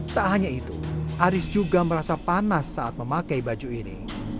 tak hanya itu aris juga merasa panas saat memakai baju ini